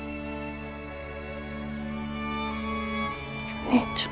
お姉ちゃん。